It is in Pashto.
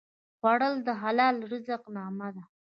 خوړل د حلال رزق نغمه ده